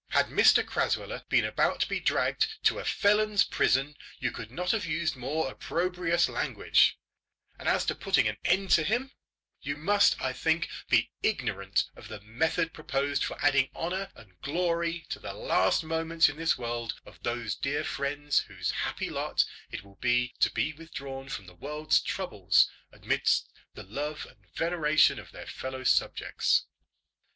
"Had Mr Crasweller been about to be dragged to a felon's prison, you could not have used more opprobrious language; and as to putting an end to him, you must, I think, be ignorant of the method proposed for adding honour and glory to the last moments in this world of those dear friends whose happy lot it will be to be withdrawn from the world's troubles amidst the love and veneration of their fellow subjects."